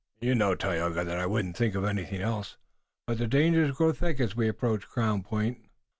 "You know, Tayoga, that I wouldn't think of anything else." "But the dangers grow thick as we approach Crown Point."